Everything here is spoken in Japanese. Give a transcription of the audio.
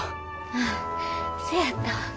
ああせやった。